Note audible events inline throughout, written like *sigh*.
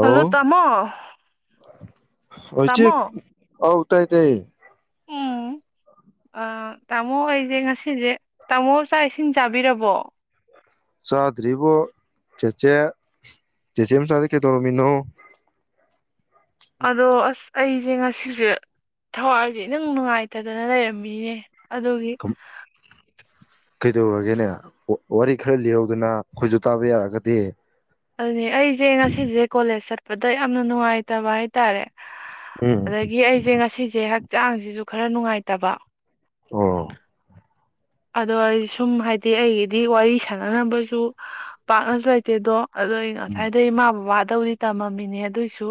Hello! ꯇꯥꯃꯣ! ꯍꯤꯏ ꯆꯦ ꯇꯥꯃꯣ ꯑꯥꯎ ꯇꯥꯏ - ꯇꯥꯏ ꯎꯝ ꯑꯥ ꯇꯥꯃꯣ ꯑꯩꯖꯦ ꯉꯁꯤꯖꯦ ꯇꯥꯃꯣ ꯆꯥꯛ ꯏꯁꯤꯡ ꯆꯥꯕꯤꯔꯕꯣ ꯆꯥꯗ꯭ꯔꯤꯕꯣ ꯆꯦꯆꯦ ꯆꯦꯆꯦ ꯃꯆꯥꯗꯤ ꯀꯩꯗꯧꯔꯝꯃꯤꯅꯣ ꯑꯗꯣ ꯑꯁ ꯑꯩꯖꯦ ꯉꯁꯤꯖꯦ ꯊꯋꯥꯏꯖꯦ ꯏꯅꯨꯡ ꯅꯨꯡꯉꯥꯏꯇꯗꯅ ꯂꯩꯔꯝꯃꯤꯅꯤ ꯅꯦ ꯑꯗꯨꯒꯤ ꯀꯩꯗꯧꯔꯒꯦꯅꯦ ꯋꯥꯔꯤ ꯈꯔ ꯂꯤꯔꯧꯗꯅ ꯑꯈꯣꯏꯖꯨ ꯇꯥꯕ ꯌꯥꯔꯒꯗꯤ *unintelligible* ꯑꯩꯖꯦ ꯉꯁꯤꯖꯦ ꯀꯣꯂꯦꯖ ꯆꯠ ꯄꯗ ꯌꯥꯝꯅ ꯅꯨꯡꯉꯥꯏꯇꯕ ꯍꯥꯏꯇꯥꯔꯦ ꯎꯝ ꯑꯗꯒꯤ ꯑꯩꯖꯦ ꯉꯁꯤꯖꯦ ꯆꯥꯡꯖꯤꯖꯨ ꯈꯔ ꯅꯨꯡꯉꯥꯏꯇꯕ ꯑꯣ ꯑꯗꯣ ꯑꯩ ꯁꯨꯝ ꯍꯥꯏꯗꯤ ꯑꯩꯒꯤꯗꯤ ꯋꯥꯔꯤ ꯁꯥꯟꯅꯅꯕꯖꯨ ꯄꯥꯛꯅꯖꯨ ꯂꯩꯇꯦꯗꯣ ꯑꯗꯣ ꯑꯩ ꯎꯝ ꯉꯁꯥꯏꯗꯩ ꯏꯃꯥ ꯕꯕꯥꯠ ꯇꯧꯗꯤ ꯇꯝꯃꯝꯃꯤꯅꯦ ꯑꯗꯨꯏꯁꯨ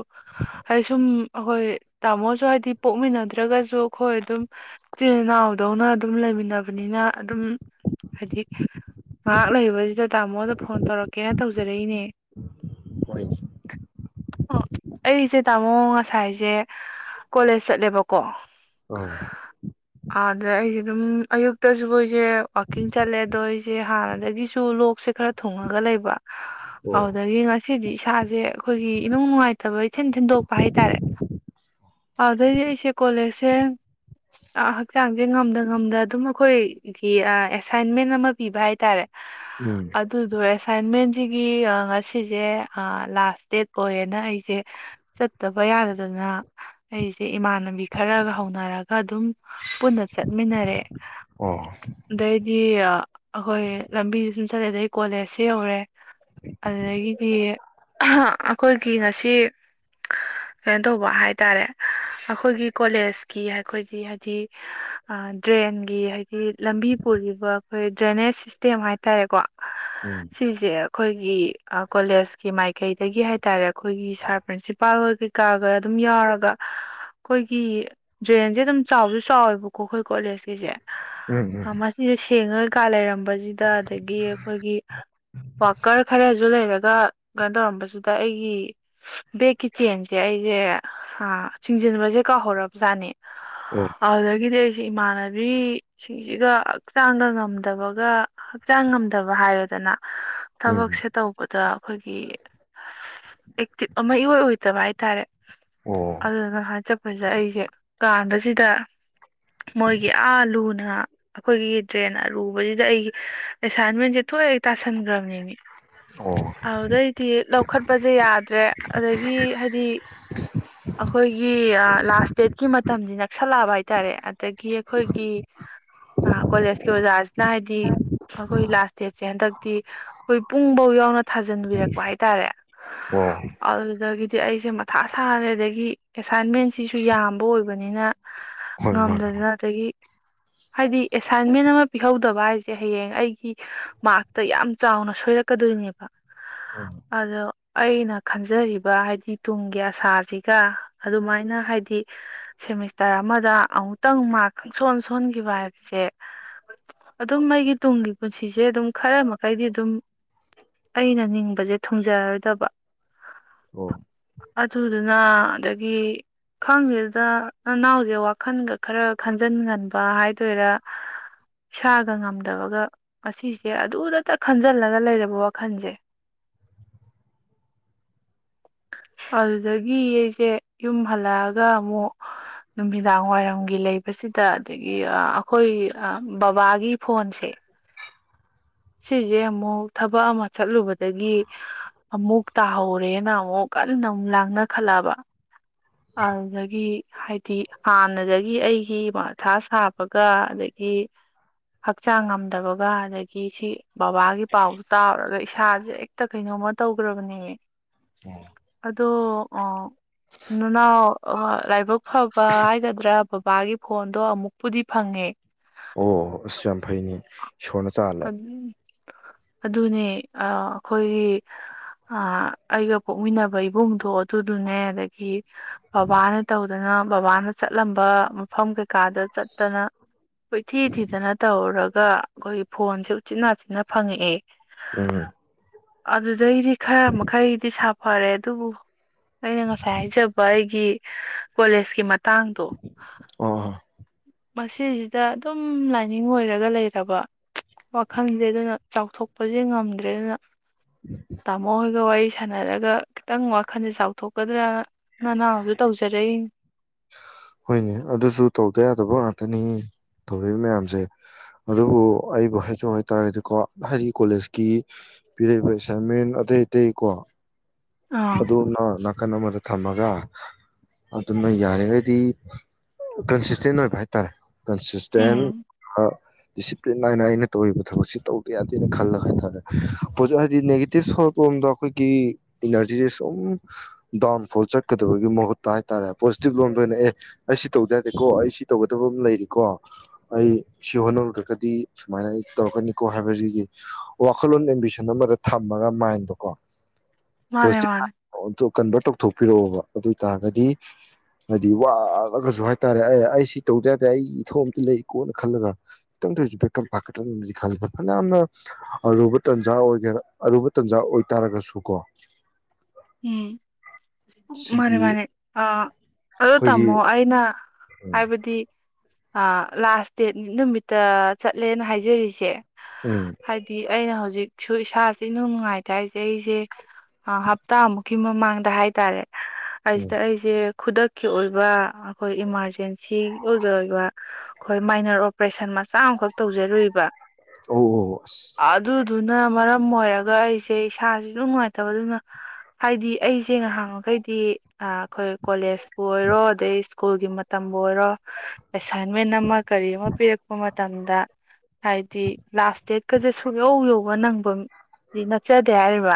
ꯍꯥꯏꯗꯤ ꯁꯨꯝ ꯑꯈꯣꯏ ꯇꯥꯝꯃꯣꯁꯨ ꯍꯥꯏꯗꯤ ꯄꯣꯛꯃꯤꯟꯅꯗ꯭ꯔꯒꯖꯨ ꯑꯈꯣꯏ ꯑꯗꯨꯝ ꯆꯤꯟ ꯏꯅꯥꯎꯗꯧꯅ ꯑꯗꯨꯝ ꯂꯩꯃꯤꯟꯅꯕꯅꯤꯅ ꯑꯗꯨꯝ ꯍꯥꯏꯗꯤ ꯉꯥꯍꯥꯛ ꯂꯩꯕꯖꯤꯗ ꯇꯥꯃꯣꯗ ꯐꯣꯟ ꯇꯧꯔꯛꯀꯦꯅ ꯇꯧꯖꯔꯛꯏꯅꯦ ꯍꯣꯏꯅꯦ ꯑꯣ ꯑꯩꯁꯦ ꯇꯥꯃꯣ ꯉꯁꯥꯏ ꯁꯥꯏꯖꯦ ꯀꯣꯂꯦꯖ ꯆꯠꯂꯦꯕꯀꯣ ꯑꯥ ꯑꯥꯗ ꯑꯩꯖꯦ ꯑꯗꯨꯝ ꯑꯌꯨꯛꯇꯖꯨ ꯖꯦ ꯋꯥꯛꯀꯤꯡ ꯆꯠꯂꯦ ꯑꯗꯣ ꯑꯩꯖꯦ ꯍꯥꯟꯅꯗꯒꯤꯁꯨ ꯂꯣꯛꯁꯦ ꯈꯔ ꯊꯨꯡꯉꯒ ꯂꯩꯕ ꯑꯣ ꯑꯗꯨꯗꯒꯤ ꯉꯁꯤꯗꯤ ꯏꯁꯥꯖꯦ ꯑꯈꯣꯏꯒꯤ ꯏꯅꯨꯡ ꯅꯨꯡꯉꯥꯏꯇꯕ ꯏꯊꯤꯟ ꯊꯤꯟꯗꯣꯛꯄ ꯍꯥꯏꯇꯥꯔꯦ ꯑꯗꯨꯗꯩꯗꯤ ꯑꯩꯁꯦ ꯀꯣꯂꯦꯖ ꯊꯦꯝ ꯍꯛꯆꯥꯡꯖꯦ ꯉꯝꯗ ꯉꯝꯗ ꯑꯗꯨꯝ ꯑꯈꯣꯏ ꯒꯤ ꯑꯦꯁꯥꯏꯟꯃꯦꯟ ꯑꯃ ꯄꯤꯕ ꯍꯥꯏꯇꯥꯔꯦ ꯎꯝ ꯑꯗꯨꯗꯣ ꯑꯦꯁ ꯁꯥꯏꯟꯃꯦꯟꯖꯤꯒꯤ ꯉꯁꯤꯖꯦ ꯑꯥ ꯂꯥꯁ ꯗꯦꯠ ꯑꯣꯏꯌꯦꯅ ꯑꯩꯖꯦ ꯆꯠꯇꯕ ꯌꯥꯗꯗꯅ ꯑꯩꯖꯦ ꯏꯃꯥꯟꯅꯕꯤ ꯈꯔꯒ ꯍꯧꯅꯔꯒ ꯑꯗꯨꯝ ꯄꯨꯟꯅ ꯆꯠꯃꯤꯟꯅꯔꯦ ꯑꯣ ꯗꯩꯗꯤ ꯑꯈꯣꯏ ꯂꯝꯕꯤꯁꯨꯝ ꯆꯠꯂꯦ ꯑꯗꯩ ꯀꯣꯂꯦꯖꯁꯦ ꯌꯧꯔꯦ ꯑꯗꯒꯤꯗꯤ ꯈꯣꯏꯒꯤ ꯉꯁꯤ ꯀꯩꯅꯣ ꯇꯧꯕ ꯍꯥꯏꯇꯥꯔꯦ ꯑꯈꯣꯏꯒꯤ ꯀꯣꯂꯦꯖꯀꯤ ꯑꯈꯣꯏ ꯗꯤ ꯍꯥꯏꯗꯤ ꯗ꯭ꯔꯦꯟꯒꯤ ꯍꯥꯏ ꯂꯝꯕꯤ ꯄꯨꯔꯤꯕ ꯑꯈꯣꯏ ꯗ꯭ꯔꯦꯅꯦꯁ ꯁꯤꯁꯇꯦꯝ ꯍꯥꯏꯇꯥꯔꯦꯀꯣ ꯎꯝ ꯁꯤꯁꯦ ꯑꯈꯣꯏ ꯒꯤ ꯑꯥ ꯀꯣꯂꯦꯖꯀꯤ ꯃꯥꯏꯀꯩꯗꯒꯤ ꯍꯥꯏꯇꯥꯔꯦ ꯑꯈꯣꯏꯒꯤ ꯁꯥꯔ ꯄ꯭ꯔꯤꯟꯁꯤꯄꯥꯜ ꯍꯣꯏ ꯀꯩꯀꯥꯒ ꯑꯗꯨꯝ ꯌꯥꯎꯔꯒ ꯑꯈꯣꯏꯒꯤ ꯗ꯭ꯔꯦꯟꯖꯦ ꯑꯗꯨꯝ ꯆꯥꯎꯖꯨ ꯆꯥꯎꯋꯦꯕꯀꯣ ꯈꯣꯏ ꯀꯣꯂꯦꯖꯀꯤꯁꯦ ꯎꯝ ꯑ ꯃꯥꯁꯤꯖꯦ ꯁꯦꯡꯉ ꯀꯂꯔꯝ ꯁꯤꯗ ꯑꯗꯒꯤ ꯑꯩꯈꯣꯏꯒꯤ ꯋꯥꯀꯔ ꯈꯔꯁꯨ ꯂꯩꯔꯒ ꯀꯩꯅꯣ ꯇꯧꯔꯕꯁꯤꯗ ꯑꯩꯒꯤ ꯕꯦꯛꯀꯤ ꯆꯦꯟꯁꯦ ꯑꯩꯁꯦ ꯆꯤꯡꯖꯤꯟꯕꯁꯦ ꯀꯥꯎꯍꯧꯔꯕꯖꯥꯠꯅꯤ ꯎꯝ ꯑꯣ ꯍꯗꯗꯦ ꯏꯃꯥꯟꯅꯕꯤ ꯁꯤꯡꯁꯤꯒ ꯍꯛꯆꯥꯡꯒ ꯉꯝꯗꯕꯒ ꯍꯛꯆꯥꯡ ꯉꯝꯗꯕ ꯍꯥꯏꯔꯗꯅ ꯎꯝ ꯊꯕꯛꯁꯦ ꯇꯧꯕꯗ ꯑꯩꯈꯣꯏꯒꯤ ꯑꯦꯛꯇꯤꯞ ꯑꯃ ꯏ ꯑꯣꯏꯏ ꯑꯣꯏꯗꯕ ꯍꯥꯏꯇꯥꯔꯦ ꯑꯣ ꯑꯗꯨꯅ ꯍꯥꯏꯆꯠꯄꯁꯦ ꯑꯩꯁꯦ ꯀꯥꯟꯕꯁꯤꯗ ꯃꯣꯏꯒꯤ ꯑꯥꯂꯨꯅꯦ ꯑꯩꯈꯣꯏꯒꯤ ꯗ꯭ꯔꯦꯟ ꯑꯔꯨꯕꯁꯤꯗ ꯑꯩꯒꯤ ꯑꯦꯁꯥꯏꯟꯃꯦꯟꯁꯦ ꯊꯣꯛꯑ ꯇꯥꯁꯟꯈ꯭ꯔꯕꯅꯤ ꯃꯤ ꯑꯣ ꯑꯗꯨꯗꯩꯗꯤ ꯂꯧꯈꯠꯄꯁꯦ ꯌꯥꯗ꯭ꯔꯦ ꯑꯗꯒꯤ ꯍꯥꯏꯗꯤ ꯑꯩꯈꯣꯏꯒꯤ ꯂꯥꯁ ꯗꯦꯠꯀꯤ ꯃꯇꯝꯗꯤ ꯅꯛꯁꯜꯂ ꯇꯕ ꯍꯥꯏꯇꯥꯔꯦ ꯑꯗꯒꯤ ꯑꯩꯈꯣꯏꯒꯤ ꯀꯣꯂꯦꯖꯀꯤ ꯑꯣꯖꯥꯁꯤꯅ ꯍꯥꯏꯗꯤ ꯑꯩꯈꯣꯏ ꯂꯥꯁ ꯗꯦꯠꯁꯦ ꯍꯟꯗꯛꯇꯤ ꯑꯩꯈꯣꯏ ꯄꯨꯡꯐꯧ ꯌꯥꯎꯅ ꯊꯥꯖꯟꯕꯤꯔꯛꯄ ꯍꯥꯏꯇꯥꯔꯦ ꯑꯣ ꯑꯗꯨꯗꯒꯤ ꯑꯩꯁꯦ ꯃꯊꯥ ꯁꯥꯔꯦ ꯑꯗꯒꯤ ꯑꯦꯁꯥꯏꯟꯃꯦꯟꯁꯤꯁꯨ ꯌꯥꯝꯕ ꯑꯣꯏꯕꯅꯤꯅ ꯍꯣꯏ ꯃꯥꯅꯦ ꯉꯝꯗꯗꯅ ꯑꯗꯒꯤ ꯍꯥꯏꯗꯤ ꯑꯦꯁꯥꯏꯟꯃꯦꯟ ꯑꯃ ꯄꯤꯍꯧꯗꯕ ꯍꯥꯏꯁꯦ ꯍꯌꯦꯡ ꯑꯩꯒꯤ ꯃꯥꯔꯛꯇ ꯌꯥꯝ ꯆꯥꯎꯅ ꯁꯣꯏꯔꯛꯀꯗꯣꯏꯅꯦꯕ ꯑꯗꯣ ꯑꯩꯅ ꯈꯟꯖꯔꯤꯕ ꯍꯥꯏꯗꯤ ꯇꯨꯡꯒꯤ ꯑꯁꯥꯁꯤꯒ ꯑꯗꯨꯃꯥꯏꯅ ꯍꯥꯏꯗꯤ ꯁꯦꯃꯤꯁꯇꯔ ꯑꯃꯗ ꯑꯃꯨꯛꯇꯪ ꯃꯥꯔꯛ ꯈꯪꯁꯣꯟ ꯊꯣꯟꯈꯤꯕ ꯍꯥꯏꯕꯁꯦ ꯑꯗꯨꯝ ꯑꯩꯒꯤ ꯇꯨꯡꯒꯤ ꯄꯨꯟꯁꯤꯁꯦ ꯑꯗꯨꯝ ꯈꯔ ꯃꯈꯩꯗꯤ ꯑꯗꯨꯝ ꯑꯩꯅ ꯅꯤꯡꯕꯁꯦ ꯊꯨꯡꯖꯔꯔꯣꯏꯗꯕ ꯑꯣ ꯑꯗꯨꯗꯨꯅ ꯑꯗꯒꯤ ꯈꯪꯗꯦꯗ ꯅꯅꯥꯎꯁꯦ ꯋꯥꯈꯟꯒ ꯈꯔ ꯈꯟꯖꯤꯟꯒꯟ ꯍꯥꯏꯗꯣꯏꯔꯥ ꯏꯁꯥꯒ ꯉꯝꯗꯕꯒ ꯑꯁꯤꯁꯦ ꯑꯗꯨꯗꯇ ꯈꯟꯖꯤꯜꯂꯒ ꯂꯩꯔꯕ ꯋꯥꯈꯜꯁꯦ ꯑꯗꯨꯗꯒꯤ ꯑꯩꯁꯦ ꯌꯨꯝ ꯍꯜꯂꯛꯑꯒ ꯑꯃꯨꯛ ꯅꯨꯃꯤꯗꯥꯡ ꯋꯥꯏꯔꯝꯒꯤ ꯂꯩꯕꯁꯤꯗ ꯑꯗꯒꯤ ꯑꯩꯈꯣꯏ ꯕꯕꯥꯒꯤ ꯐꯣꯟꯁꯦ ꯁꯤꯁꯦ ꯑꯃꯨꯛ ꯊꯕꯛ ꯑꯃ ꯆꯠꯂꯨꯕꯗꯒꯤ ꯑꯃꯨꯛ ꯇꯥꯍꯧꯔꯦꯅ ꯑꯃꯨꯛ ꯀꯟꯅ ꯑꯃꯨꯛ ꯂꯥꯡꯅꯈꯠꯂꯛꯕ ꯑꯗꯨꯗꯒꯤ ꯍꯥꯏꯗꯤ ꯍꯥꯟꯅꯗꯒꯤ ꯑꯩꯒꯤ ꯊꯥ ꯁꯥꯕꯒ ꯑꯗꯒꯤ ꯍꯛꯆꯥꯡ ꯉꯝꯗꯕꯒ ꯑꯗꯒꯤ ꯁꯤ ꯕꯕꯥꯒꯤ ꯄꯥꯎꯗꯨꯣ ꯇꯥꯨꯔꯒ ꯏꯁꯥꯁꯦ ꯇ ꯀꯩꯅꯣꯝꯃ ꯇꯧꯈ꯭ꯔꯕꯅꯦ ꯑꯗꯣ ꯑꯥ ꯅꯅꯥꯎ ꯂꯥꯏꯕꯛ ꯐꯕ ꯍꯥꯏꯒꯗ꯭ꯔꯥ ꯕꯕꯥꯒꯤ ꯐꯣꯟꯗꯣ ꯑꯃꯨꯛꯄꯨꯗꯤ ꯐꯪꯉꯦ ꯑꯣ ꯑꯁ ꯌꯥꯝ ꯐꯩꯅꯦ ꯏꯁꯣꯔꯅ ꯆꯥꯜꯂꯦ ꯑꯗꯨꯅꯦ ꯑꯩꯈꯣꯏꯒꯤ ꯑꯩꯒ ꯄꯣꯛꯃꯤꯟꯅꯕ ꯏꯕꯨꯡꯗꯣ ꯑꯗꯨꯗꯨꯅꯦ ꯑꯗꯒꯤ ꯕꯕꯥꯅ ꯇꯧꯗꯅ ꯕꯕꯥꯅ ꯆꯠꯂꯝꯕ ꯃꯐꯝ ꯀꯩꯀꯥꯗ ꯆꯠꯇꯅ ꯍꯣꯏ ꯊꯤ ꯊꯤꯗꯅ ꯇꯧꯔꯒ ꯑꯩꯈꯣꯏꯒꯤ ꯐꯣꯟꯁꯦ ꯎꯆꯤꯅꯥ ꯆꯤꯟꯅ ꯐꯪꯉꯛꯑꯦ ꯎꯝ ꯑꯗꯨꯗꯩꯗꯤ ꯈꯔ ꯃꯈꯩꯗꯤ ꯁꯥꯐꯔꯦ ꯑꯗꯨꯕꯨ ꯑꯩꯅ ꯉꯁꯥꯏ ꯍꯥꯏꯖꯕ ꯑꯩꯒꯤ ꯀꯣꯂꯦꯖꯀꯤ ꯃꯇꯥꯡꯗꯣ ꯑꯣ ꯃꯁꯤꯁꯤꯗ ꯑꯗꯨꯝ ꯂꯥꯏꯅꯤꯡ ꯑꯣꯏꯔꯒ ꯂꯩꯔꯕ ꯋꯥꯈꯜꯁꯦ ꯑꯗꯨꯅ ꯆꯥꯎꯊꯣꯛꯄꯁꯦ ꯉꯝꯗ꯭ꯔꯦ ꯑꯗꯨꯅ ꯇꯥꯃꯣ ꯍꯣꯏꯒ ꯋꯥꯔꯤ ꯁꯥꯟꯅꯔꯒ ꯈꯤꯇꯪ ꯋꯥꯈꯜꯁꯦ ꯆꯥꯎꯊꯣꯛꯀꯗ꯭ꯔꯅ ꯅꯅꯥꯕꯁꯨ ꯇꯧꯖꯔꯛꯏ ꯍꯣꯏꯅꯦ ꯑꯗꯨꯁꯨ ꯇꯧꯗ ꯌꯥꯗꯕ ꯉꯥꯛꯇꯅꯤ ꯇꯧꯔꯛꯔꯤꯕ ꯃꯌꯥꯝꯁꯦ ꯑꯗꯨꯕꯨ ꯑꯩꯕꯨ ꯍꯥꯏꯖꯧ ꯍꯥꯏꯇꯥꯥꯔꯒꯗꯤꯀꯣ ꯍꯥꯏꯗꯤ ꯀꯣꯂꯦꯖꯀꯤ ꯄꯤꯔꯛꯏꯕ ꯑꯦꯁꯥꯏꯟꯃꯦꯟ ꯑꯇꯩ ꯑꯇꯩ ꯀꯣ ꯑꯥ ꯑꯗꯨꯅꯅꯥ ꯀꯅꯥ ꯃꯔ ꯊꯝꯃꯒ ꯑꯗꯨꯃ ꯌꯥꯔꯤꯉꯩꯗꯤ ꯀꯟꯁꯤꯁꯇꯦꯟ ꯑꯣꯏꯕ ꯍꯥꯏꯇꯥꯔꯦ ꯀꯟꯁꯁꯇꯦꯟ ꯎꯝ ꯠ ꯅꯥꯏꯅ ꯑꯩꯅ ꯇꯧꯔꯤꯕ ꯊꯕꯛꯁꯤ ꯇꯧꯗ ꯌꯥꯗꯦꯅ ꯈꯜꯂꯒ ꯍꯥꯏꯇꯥꯔꯦ ꯍꯥꯏꯗꯤ ꯅꯦꯒꯦꯇꯤꯞ ꯁꯣ ꯂꯣꯝꯗ ꯑꯩꯈꯣꯏꯒꯤ ꯏꯅꯔꯖꯤꯁꯦ ꯁꯨꯝ ꯗꯥꯎꯟ ꯐꯣꯜ ꯆꯠꯀꯗꯕꯒꯤ ꯃꯍꯨꯠꯇ ꯍꯥꯏꯇꯥꯥꯔꯦ ꯄꯣꯖꯤꯇꯤꯕ ꯂꯣꯝꯗ ꯑꯣꯏꯅ ꯑꯦ ꯑꯩ ꯁꯤ ꯇꯧꯗ ꯌꯥꯗꯦꯀꯣ ꯑꯩ ꯁꯤ ꯇꯧꯒꯗꯕ ꯑꯃ ꯂꯩꯔꯤꯀꯣ ꯑꯩ ꯁꯤ ꯍꯣꯠꯅꯔꯨꯗ꯭ꯔꯒꯗꯤ ꯁꯨꯃꯥꯏꯅ ꯑꯩ ꯇꯧꯔꯛꯀꯅꯤꯀꯣ ꯍꯥꯏꯕꯕꯁꯤꯒꯤ ꯋꯥꯈꯜꯂꯣꯟ ꯑꯦꯝꯕꯤꯁꯟ ꯑꯃꯗ ꯊꯝꯃꯒ ꯃꯥꯏꯟꯗꯣꯀꯣ ꯄꯣ ꯃꯥꯅꯦ ꯃꯥꯅꯦ ꯀꯟꯚꯔ ꯊꯣꯛ ꯄꯤꯔꯛꯑꯣꯕ ꯑꯗꯨ ꯑꯣꯏꯇꯥꯔꯒꯗꯤ ꯍꯥꯏꯗꯤ ꯋꯥꯔꯒꯁꯨ ꯍꯥꯏꯇꯥꯔꯦ ꯑꯦ ꯑꯩ ꯁꯤ ꯇꯧꯗ ꯌꯥꯗꯦ ꯑꯩꯒꯤ ꯏꯊꯧ ꯑꯝꯇ ꯂꯩ ꯀꯣꯅ ꯈꯜꯂꯒ ꯈꯤꯇꯪ ꯊꯁꯨ ꯕꯦꯀ ꯐꯥꯠꯇ꯭ꯔꯒꯅ ꯈꯂ ꯐꯅꯌꯥꯝꯅ ꯑꯔꯨꯕ ꯇꯟꯖꯥ ꯑꯣꯏꯒꯦꯔꯥ ꯑꯔꯨꯕ ꯇꯟꯖꯥ ꯑꯣꯏꯇꯥꯥꯔꯒꯁꯨ ꯀꯣ ꯎꯝ ꯃꯅꯤ ꯁꯤꯒꯤ ꯃꯥꯅꯤ ꯑ ꯆ ꯑꯩꯈꯣꯏꯒꯤ ꯇꯃꯣ ꯑꯏꯩꯅ ꯎꯝ ꯍꯥꯏꯕꯗꯤ ꯑ ꯂꯥꯁ ꯗꯦꯠ ꯅꯨꯃꯤꯠꯇ ꯆꯠꯂꯦꯅ ꯍꯥꯏꯖꯔꯤꯁꯦ ꯎꯝ ꯍꯥꯏꯗꯤ ꯑꯩꯅ ꯍꯧꯖꯤꯛ ꯏꯁꯥꯁꯦ ꯅꯨꯡ ꯅꯨꯡꯉꯥꯏꯇ ꯍꯥꯏꯁꯦ ꯑꯩꯁꯦ ꯍꯞꯇꯥꯃꯨꯛꯀꯤ ꯃꯃꯥꯡꯗ ꯍꯥꯏꯇꯥꯔꯦ ꯎꯝ ꯑꯁꯤꯗ ꯑꯩꯁꯦ ꯈꯨꯗꯛꯀꯤ ꯑꯣꯏꯕ ꯑꯩꯈꯣꯏ ꯏꯃꯥꯔꯖꯦꯟꯁꯤ ꯑꯣꯏꯒꯤ ꯑꯣꯏꯕ ꯑꯩꯈꯣꯏ ꯃꯥꯏꯅꯔ ꯑꯣꯄꯔꯦꯁꯟ ꯃꯆꯥ ꯑꯃꯈꯛ ꯇꯧꯖꯔꯨꯏꯕ ꯑꯣ ꯑ ꯑꯗꯨꯅ ꯃꯔꯝ ꯑꯣꯏꯔꯒ ꯑꯩꯁꯦ ꯏꯁꯥꯥꯁꯁꯨ ꯅꯨꯡꯉꯥꯏꯇꯕ ꯑꯗꯨꯅ ꯍꯥꯏꯗꯤ ꯑꯩꯁꯦ ꯉꯍꯥꯡꯃꯈꯩꯗꯤ ꯑꯩꯈꯣꯏ ꯀꯣꯂꯦꯖꯄꯨ ꯑꯣꯏꯔꯣ ꯑꯗꯩ ꯁ꯭ꯀꯨꯜꯒꯤ ꯃꯇꯝꯕꯨ ꯑꯣꯏꯔꯣ ꯑꯦꯁꯥꯏꯟꯃꯦꯟ ꯑꯃ ꯀꯔꯤ ꯑꯃ ꯄꯤꯔꯛꯄ ꯃꯇꯝꯗ ꯍꯥꯏꯗꯤ ꯂꯥꯁ ꯗꯦꯠꯀꯁꯦ ꯁꯨꯌꯧ ꯌꯧꯕ ꯅꯪꯕ ꯁꯤ ꯅꯠꯆꯗꯦ ꯍꯥꯏꯔꯤꯕ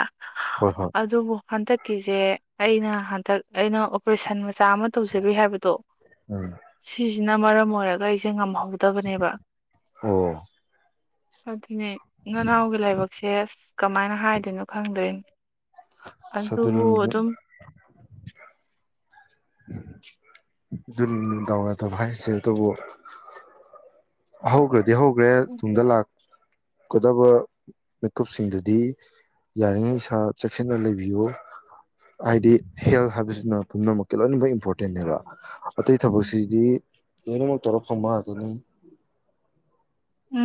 ꯍꯣꯏ ꯍꯣꯏ ꯑꯣ ꯍꯟꯗꯛꯀꯤꯁꯦ ꯑꯩꯅ ꯍꯟꯗꯛ ꯑꯩꯅ ꯑꯣꯄꯔꯦꯁꯟ ꯃꯆꯥ ꯑꯃ ꯇꯧꯖꯔꯤ ꯍꯥꯏꯕꯗꯣ ꯎꯝ ꯁꯤꯅ ꯃꯔꯝ ꯑꯣꯏꯔꯒ ꯑꯩꯁꯦ ꯉꯝꯍꯧ ꯎꯗꯕꯅꯦꯕ ꯑꯣ ꯑꯗꯨꯅꯦ ꯅꯅꯥꯎꯒꯤ ꯂꯥꯏꯕꯛꯁꯦ ꯑꯁ ꯀꯃꯥꯏꯅ ꯍꯥꯏꯗꯣꯏꯅꯣ ꯈꯪꯗꯣꯏꯅꯤ ꯑꯁ ꯑꯗꯨꯅꯤ ꯑꯗꯨꯕꯨ ꯑꯗꯨꯝ ꯑꯗꯨꯟ ꯗꯔ ꯇ ꯍꯥꯏꯥꯏꯁꯦ ꯇꯕꯨ ꯍꯧꯈ꯭ꯔꯗꯤ ꯍꯧꯈ꯭ꯔꯦ ꯇꯨꯡꯗ ꯂꯥꯛ ꯀꯗꯕ ꯃꯤꯀꯨꯞꯁꯤꯡꯗꯨꯗꯤ ꯌꯥꯔꯤꯉꯩ ꯏꯁꯥ ꯆꯦꯛꯁꯤꯟꯅ ꯂꯩꯕꯤꯌꯨ ꯍꯥꯏꯗꯤ ꯍꯦꯜꯊ ꯍꯥꯏꯕꯁꯤꯅ ꯄꯨꯝꯅꯃꯛꯀꯤ ꯂꯣꯏꯅꯃꯛ ꯏꯝꯄꯣꯔꯇꯦꯟꯅꯦꯕ ꯑꯇꯩ ꯊꯕꯛꯁꯤꯗꯤ ꯀꯩꯅꯃ ꯇꯧꯔꯣ ꯐꯝꯃ ꯑꯗꯨꯅꯤ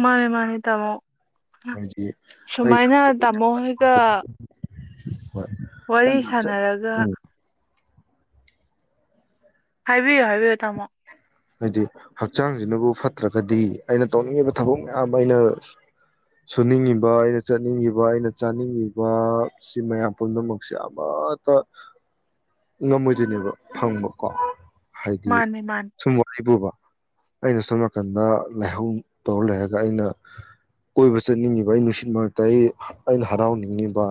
ꯃꯥꯅꯦ ꯃꯥꯅꯤ ꯇꯃꯣ ꯍꯥꯏꯗꯤ ꯁꯨꯃꯥꯏꯅ ꯇꯥꯃꯣ ꯍꯣꯏꯒ ꯎ ꯋꯥꯔꯤ ꯁꯅꯔꯒ ꯍꯥꯏꯕꯤꯌꯨ ꯍꯥꯏꯕꯤꯌꯨ ꯇꯥꯃꯣ ꯍꯥꯏꯗꯤ ꯍꯛꯆꯥꯡꯁꯤꯅꯕꯨ ꯐꯠꯇ꯭ꯔꯒꯗꯤ ꯑꯩꯅ ꯇꯧꯅꯤꯡꯉꯤꯕ ꯊꯕꯛ ꯃꯌꯥꯝ ꯑꯩꯅ ꯁꯨꯅꯤꯡꯉꯤꯕ ꯑꯩꯅ ꯆꯠꯅꯤꯡꯉꯤꯕ ꯑꯩꯅ ꯆꯥꯅꯤꯡꯉꯤꯕ ꯁꯤ ꯃꯌꯥꯝ ꯄꯨꯝꯅꯃꯛꯁꯦ ꯑꯃꯠꯇ ꯉꯝꯃꯣꯏꯗꯣꯏꯅꯦꯕ ꯐꯪꯕꯀꯣ ꯍꯥꯏꯗꯤ ꯃꯥꯅꯦ ꯃꯥꯅꯦ ꯁꯨꯝ ꯋꯥ ꯄꯨꯕ ꯑꯩꯅ ꯁꯣꯝ ꯅꯥꯀꯟꯗ ꯂꯥꯏꯍꯧ ꯇꯧꯔ ꯂꯩꯔꯒ ꯑꯩꯅ ꯀꯣꯏꯕ ꯆꯠꯅꯤꯡꯉꯤꯕ ꯑꯩ ꯅꯨꯡꯁꯤꯠ ꯃꯔꯛꯇ ꯑꯩ ꯑꯩꯅ ꯍꯔꯥꯎꯅꯤꯡꯉꯤꯕ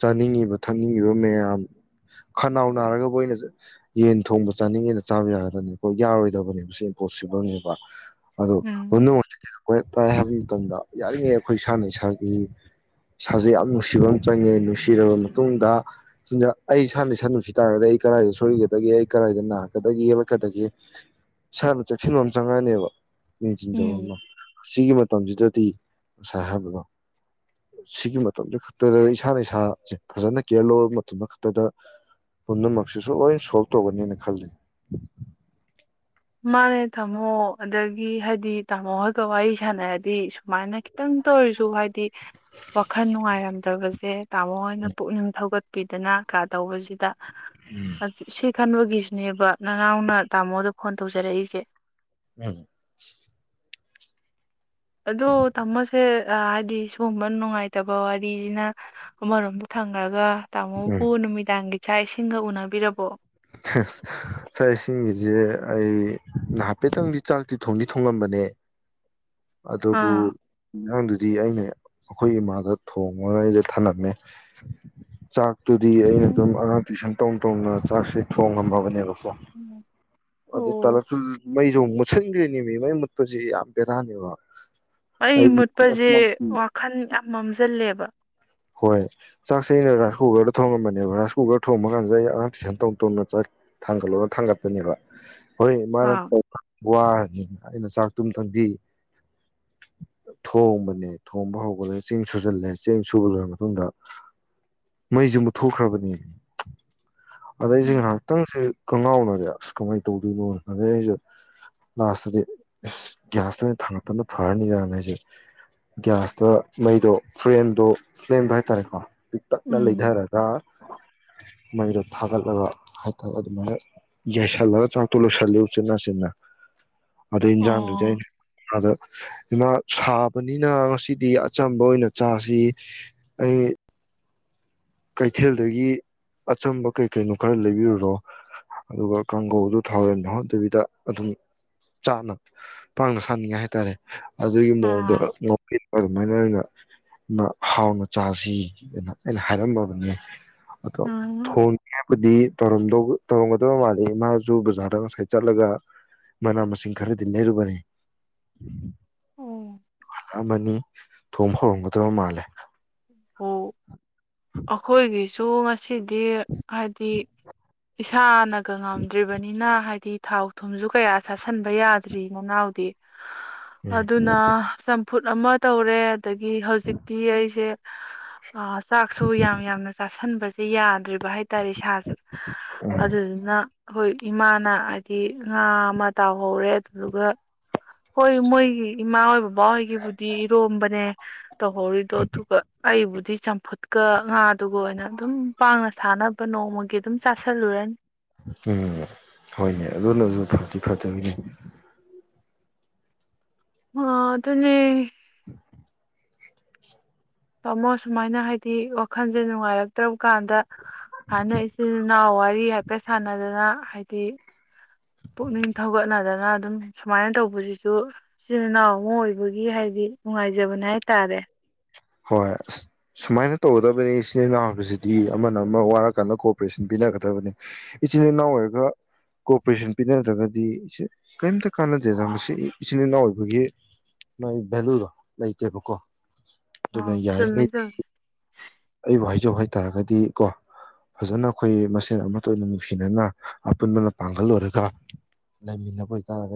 ꯆꯥꯅꯤꯡꯉꯤꯕ ꯊꯛꯅꯤꯡꯉꯤꯕ ꯃꯌꯥꯝ ꯈꯅꯥꯎ ꯅꯥꯔꯒꯕꯨ ꯑꯣꯏꯅ ꯌꯦꯟ ꯊꯣꯡꯕ ꯆꯥꯅꯤꯡꯉꯦꯅ ꯆꯥꯕ ꯌꯥꯒꯗꯅꯤ ꯑꯩꯈꯣꯏ ꯌꯥꯔꯣꯏꯗꯕꯅꯦꯕ ꯁꯤ ꯏꯝꯄꯣꯁꯤꯕꯜꯅꯦꯕ ꯑꯗꯣ ꯎꯝ ꯑꯣ ꯀꯣꯏ ꯇꯥꯏ ꯍꯥꯏꯕ ꯃꯇꯝꯗ ꯌꯥꯔꯤꯉꯩ ꯑꯩꯈꯣꯏ ꯏꯁꯥꯅ ꯏꯁꯥꯒꯤ ꯏꯁꯥꯁꯦ ꯌꯥꯝ ꯅꯨꯡꯁꯤꯕ ꯑꯃ ꯆꯪꯉꯦ ꯅꯨꯡꯁꯤꯔꯕ ꯃꯇꯨꯡꯗ ꯆꯤꯟꯖꯥꯛ ꯑꯩ ꯏꯁꯥꯅ ꯁꯟꯗꯨꯁꯤ ꯇꯥꯔꯒꯗꯤ ꯑꯩ ꯀꯗꯥꯏꯗ ꯁꯣꯏꯒꯗꯒꯦ ꯑꯩ ꯀꯗꯥꯏꯗ ꯅꯥꯔꯛꯀꯗꯒꯦ ꯍꯂꯠꯀꯗꯒꯦ ꯏꯁꯥꯅ ꯆꯦꯛꯁꯤꯟꯕ ꯑꯃ ꯆꯪꯉꯛꯑꯅꯦꯕ ꯆꯤꯟꯖ ꯎꯝ ꯍ ꯁꯤꯒꯤ ꯃ ꯃꯇꯝꯁꯤꯗꯗꯤ ꯉꯁꯥꯏ ꯍꯥꯏꯕꯗꯣ ꯁꯤꯒꯤ ꯃꯇꯝꯁꯤꯦ ꯈꯛꯇꯗ ꯏꯁꯥꯅ ꯏꯁꯥꯁꯦ ꯐꯖꯅ ꯀꯦꯌꯔ ꯂꯧꯔꯕ ꯃꯇꯝꯗ ꯈꯛꯇꯗ ꯄꯨꯝꯅꯃꯛꯁꯤꯁꯨ ꯂꯣꯏ ꯁꯣꯜꯕ ꯇꯧꯒꯅꯤꯅ ꯈꯜꯂꯤ ꯃꯥꯅꯦ ꯇꯥꯃꯣ ꯑꯗꯒꯤ ꯍꯥꯏꯗꯤ ꯇꯥꯃꯣ ꯍꯣꯏꯒ ꯋꯥꯔꯤ ꯁꯥꯟꯅꯔꯗꯤ ꯁꯨꯃꯥꯏꯅ ꯈꯤꯇꯪ ꯇꯧꯔꯁꯨ ꯍꯥꯏꯗꯤ ꯋꯥꯈꯜ ꯅꯨꯡꯉꯥꯏꯔꯝꯗꯕꯁꯦ ꯇꯥꯃꯣ ꯍꯅ ꯄꯨꯛꯅꯤꯡ ꯊꯧꯒꯠ ꯄꯤꯤꯗꯅ ꯀꯥ ꯇꯧꯕꯁꯤꯗ ꯁ ꯈꯥꯟꯕꯨ ꯒꯤ꯭ꯁ ꯅꯕ ꯅꯅꯥꯎꯅ ꯇꯥꯃꯣꯗ ꯐꯣꯟ ꯇꯧꯖꯔꯛꯏꯁꯦ ꯎꯝ ꯑꯣ ꯇꯃꯁꯦ ꯍꯥꯏꯗꯤ ꯁꯤꯒꯨꯝꯕ ꯅꯨꯡꯉꯥꯏꯇꯕ ꯋꯥꯔꯤꯁꯤꯅ ꯑꯃꯔꯣꯝꯗꯣ ꯊꯝꯈ꯭ꯔꯒ ꯇꯃꯣ ꯎꯝ ꯄ ꯅꯨꯃꯤꯗ ꯏꯥꯛ ꯏꯁꯤꯡꯒ ꯎꯅꯕꯤꯔꯕꯣ ꯆ ꯏꯁꯤꯡꯒꯤꯁꯦ ꯑꯩ ꯍꯥꯏꯐꯦꯠꯇꯪꯗꯤ ꯆꯥꯛꯇꯤ ꯊꯣꯡꯗꯤ ꯊꯣꯡꯉꯝꯕꯅꯦ ꯑꯗꯕꯨ ꯑꯥ ꯗꯤ ꯑꯩꯅ ꯑꯩꯈꯣꯏ ꯏꯃꯥꯒ ꯊꯣꯡꯉꯅ ꯑꯩꯖꯦ ꯊꯝꯃꯝꯃꯦ ꯆꯥꯛ ꯇꯨꯗꯤ ꯑꯩꯅ ꯑꯗꯨꯝ ꯑꯉꯥꯡ ꯇꯨꯏꯁꯟ ꯇꯧ ꯇꯣꯡꯅ ꯆꯥꯛꯁꯦ ꯊꯣꯡꯉꯝꯃꯕꯅꯦꯕ ꯀꫭ ꯑꯗꯨꯏ ꯑꯣ ꯇꯥꯔꯁꯨ ꯃꯩꯁꯨ ꯃꯨꯛ ꯃꯨꯠꯁꯤꯟꯈ꯭ꯔꯤꯅꯦ ꯃꯤ ꯃꯩ ꯃꯨꯠꯄꯁꯤ ꯌꯥꯝ ꯕꯦꯔꯥꯅꯦꯕ ꯃꯩ ꯑꯩꯗꯤ ꯃꯨꯠꯄꯁꯦ ꯑꯁ ꯋꯥꯈꯟ ꯌꯥꯝ ꯃꯝꯖꯜꯂꯦꯕ ꯍꯣꯏ ꯆꯥꯛꯁꯦ ꯑꯩꯅ ꯔꯥꯏꯁ ꯀꯨꯀꯔꯗ ꯊꯣꯡꯉꯝꯕꯅꯦꯕ ꯔꯥꯏꯁ ꯀꯨꯀꯔ ꯊꯣꯡꯕ ꯀꯥꯟꯁꯤꯗ ꯑꯩ ꯑꯉꯥ ꯇꯨꯏꯁꯟ ꯇꯧꯅ ꯇꯧꯅ ꯆꯥꯛ ꯊꯥꯡꯒꯠꯂꯣꯅ ꯊꯥꯡꯒꯠꯄꯅꯦꯕ ꯍꯣꯏ ꯏꯃꯥꯅ ꯑꯥ ꯇꯧꯕꯥ ꯋꯥꯔꯅꯤꯅ ꯑꯩꯅ ꯆꯥꯛꯇꯨꯝꯇꯪꯗꯤ ꯊꯣꯡꯕꯅꯦ ꯊꯣꯡꯕ ꯍꯧꯕꯂꯒ ꯆꯦꯡ ꯁꯨꯖꯜꯂꯦ ꯆꯦꯡ ꯁꯨꯕ ꯂꫭꯏꯔ ꯃꯇꯨꯡꯗ ꯃꯩꯁꯤ ꯃꯨꯠꯊꯣꯛꯈ꯭ꯔꯕꯅꯦꯃꯤ ꯑꯗꯩ ꯑꯩꯁꯦ ꯉꯍꯥꯛꯇꯪꯁꯤ ꯀꯪꯉꯥꯎꯅꯔꯦ ꯑꯁ ꯀꯃꯥꯏꯅ ꯇꯧꯗꯣꯏꯅꯣꯅ ꯑꯗꯩ ꯑꯩꯁꯨ ꯂꯥꯁꯇꯗꯤ ꯏꯁ ꯒ꯭ꯌꯥꯁꯇ ꯑꫭꯏꯅ ꯊꯥꯡꯒꯠꯄꯅ ꯐꯔꯅꯤꯗꯥꯅ ꯑꯩꯁꯦ ꯒ꯭ꯌꯥꯁꯇ ꯃꯩꯗꯣ ꯐ꯭ꯂꯦꯝꯗꯣ ꯐ꯭ꯂꯦꯝꯗꯣ ꯍꯥꯏꯇꯥꯔꯦꯀꯣ ꯄꯤꯛꯇꯛꯅ ꯎꯝ ꯂꯩꯙꯔꯒ ꯃꯩꯔꯛ ꯊꯥꯒꯠꯂꯒ ꯍꯥꯏꯇꯥꯔꯦ ꯑꯗꯨꯃꯥꯏꯅ ꯌꯥꯥꯏꯁꯜꯂꯒ ꯆꯥꯛꯇꯣ ꯂꯣꯏꯁꯤꯜꯂꯦ ꯎꯆꯤꯟ ꯅꯥꯆꯤꯟꯅ ꯑꯗꯨ ꯏꯟꯖꯥꯡꯗꯨꯗꯤ ꯑꯣ ꯑꯩꯅ ꯏꯃꯥꯗ ꯏꯃꯥ ꯁꯥꯕꯅꯤꯅ ꯉꯁꯤꯗꯤ ꯑꯆꯝꯕ ꯑꯣꯏꯅ ꯆꯥꯁꯤ ꯑꯩ ꯀꯩꯊꯦꯜꯗꯒꯤ ꯑꯆꯝꯕ ꯀꯩ ꯀꯩꯅꯣ ꯈꯔ ꯂꯩꯕꯤꯔꯨꯔꯣ ꯑꯗꯨꯒ ꯀꯥꯡꯒꯧꯗꯨ ꯊꯥꯎ ꯌꯥꯝ ꯍꯥꯞꯇꯕꯤꯗ ꯑꯗꯨꯝ ꯆꯥꯅ ꯄꯥꯡꯅ ꯁꯥꯅꯤꯡꯉꯥꯏ ꯍꯥꯏꯇꯥꯔꯦ ꯑꯗꯨꯒꯤ ꯃꯑꯣꯡꯗ ꯑꯥ ꯑꯗꯨꯃꯥꯏꯅ ꯑꯩꯅ ꯏꯃꯥ ꯍꯥꯎꯅ ꯆꯥꯁꯤ ꯑꯅ ꯑꯩꯅ ꯍꯥꯏꯔꯝ ꯃ ꯕꯅꯦ ꯑꯗꫭ ꯎꯝ ꯊꯣꯡ *inaudible* ꯕꯨꯗꯤ ꯇꯧꯔꯝꯒꯗꯕ ꯃꯥꯜꯂꯤꯦ ꯏꯃꯥꯁꯨ ꯕꯖꯥꯔꯗ ꯉꯁꯥꯏ ꯆꯠꯂꯒ ꯃꯅꯥ ꯃꯁꯤꯡ ꯈꯔꯗꯤ ꯂꯩꯔꯨꯕꯅꯤ ꯑꯣ ꯑꯃꯅꯤ ꯊꯣꯡ ꯍꯧꯔꯝꯒꯗꯕ ꯃꯥꯜꯂꯦ ꯑꯣ ꯑꯩꯈꯣꯏꯒꯤꯁꯨ ꯉꯁꯤꯗꯤ ꯍꯥꯏꯗꯤ ꯏꯁꯥꯅꯒ ꯉꯝꯗ꯭ꯔꯤꯕꯅꯤꯅ ꯍꯥꯏꯗꯤ ꯊꯥꯎ ꯊꯨꯝꯁꯨ ꯀꯌꯥ ꯆꯥꯁꯟꯕ ꯌꯥꯗ꯭ꯔꯤ ꯅꯅꯥꯎꯗꯤ ꯎꯝ ꯑꯗꯨꯅ ꯆꯝ ꯐꯨꯠ ꯑꯃ ꯇꯧꯔꯦ ꯑꯗꯒꯤ ꯍꯧꯖꯤꯛꯇꯤ ꯑꯩꯁꯦ ꯑꯥ ꯆꯥꯛꯁꯨ ꯌꯥꯝ ꯌꯥꯝꯅ ꯆꯥꯥꯁꯟꯕꯁꯦ ꯌꯥꯗ꯭ꯔꯤ ꯕ ꯍꯥꯏꯇꯥꯔꯦ ꯏꯁꯥꯁꯨ ꯑꯗꯨꯗꯨꯅ ꯍꫭꯏ ꯏꯃꯥꯅ ꯍꯥꯏꯗꯤ ꯉꯥ ꯑꯃ ꯇꯥꯎꯍꯧꯔꯦ ꯑꯗꯨꯗꯨꯒ ꯍꯣꯏ ꯃꯣꯏꯒꯤ ꯏꯃꯥ ꯍꫭꯏ ꯕꯕꯥ ꯍꯣꯏꯒꯤꯕꯨꯗꯤ ꯏꯔꯣꯝꯕꯅꯦ ꯇꯧꯍꯧꯔꯤꯗꯣ ꯑꯗꯨꯒ ꯑꯩꯕꯨꯗꯤ ꯆꯝꯐꯨꯠꯀ ꯉꯥꯗꯨꯒ ꯑꯣꯏꯅ ꯑꯗꯨꯝ ꯄꯥꯡꯅ ꯁꯥꯟꯅꯕ ꯅꯣꯡꯃꯒꯤ ꯑꯗꯨꯝ ꯆꯥꯥꯁꯜꯂꯨꯔꯅꯤ ꯎꯝ ꯍꯣꯏꯅꯦ ꯑꯗꯨ ꯅꯁꯨ ꯐꯗꯤ ꯐꯗꯣꯏꯅꯤ ꯍꯣ ꯑꯗꯨꯅꯦ ꯇꯥꯃꯣ ꯁꯨꯃꯥꯏꯅ ꯍꯥꯏꯗꯤ ꯋꯥꯈꯜꯁꯦ ꯅꯨꯡꯉꯥꯏꯔꯛꯇ꯭ꯔꯕ ꯀꯥꯟꯗ ꯍꯥꯟꯅ ꯏꯆꯤꯜ ꯏꯅꯥꯎ ꯋꯥꯔꯤ ꯍꯥꯏ ꯄꯦ ꯁꯥꯟꯅꯗꯅ ꯍꯥꯏꯗꯤ ꯄꯨꯛꯅꯤꯡ ꯊꯧꯒꯠꯅꯗꯅ ꯑꯗꯨꯝ ꯁꯨꯃꯥꯏꯅ ꯇꯧꯕꯁꯤꯁꯨ ꯏꯆꯤꯜ ꯏꯅꯥꯎ ꯑꯃ ꯑꯣꯏꯕꯒꯤ ꯍꯥꯏꯗꯤ ꯅꯨꯡꯉꯥꯏꯖꯕꯅꯦ ꯍꯥꯏ ꯇꯥꯔꯦ ꯍꯣꯏ ꯑꯁ ꯁꯨꯃꯥꯏꯅ ꯇꯧꯒꯗꯕꯅꯤ ꯏꯆꯤꯜ ꯏꯅꯥꯎ ꯍꯥꯏꯕꯁꯤꯗꯤ ꯑꯃꯅ ꯑꯃ ꯋꯥꯔꯀꯥꯟꯗ ꯀꯣꯑꯣꯄꯔꯦꯁꯟ ꯄꯤꯅꯒꯗꯕꯅꯤ ꯏꯆꯤꯤꯟꯜ ꯏꯅꯥꯎ ꯑꯣꯏꯔꯒ ꯀꯣꯑꯣꯄꯔꯦꯁꯟ ꯄꯤꯅꯗꯔꯥꯒ ꯗꯤ ꯀꯔꯤꯝꯇ ꯀꯥꯟꯅꯗꯦꯗꯅ ꯃꯁꯤ ꯏꯆꯤꯟ ꯏꯅꯥꯎ ꯑꯣꯏꯕꯒꯤ ꯃꯥꯒꯤ ꯚꯦꯂꯨꯗꯣ ꯂꯩꯇꯦꯕꯀꯣ ꯑ ꯑꯗꯨꯅ ꯆꯃꯦ ꯌꯥꯔꯤꯉꯩ ꯆ ꯑꯩꯕꯨ ꯍꯥꯏꯖꯧ ꯍꯥꯏꯇꯥꯔꯒꯗꯤ ꯀꯣ ꯐꯖꯅ ꯑꯩꯈꯣꯏ ꯃꯁꯦꯟ ꯑꯃꯠꯇ ꯑꯣꯏꯅ ꯅꯨꯡꯁꯤꯅꯅ ꯑꯄꯨꯟꯕꯅ ꯄꯥꯡꯒꯜ ꯑꯣꯏꯔꯒ ꯂꯩꯃꯤꯟꯅꯕ ꯑꯣꯏꯇꯥꯔꯒꯗꯤ